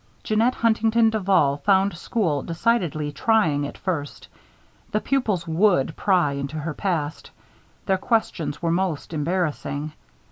Jeannette Huntington Duval found school decidedly trying at first. The pupils would pry into her past. Their questions were most embarrassing.